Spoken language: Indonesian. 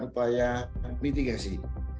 atau masyarakat terlambat sampai mitigasi